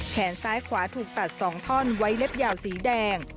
แขนซ้ายขวาถูกตัด๒ท่อนไว้เล็บยาวสีแดง